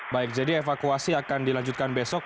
baik jadi evakuasi akan dilanjutkan besok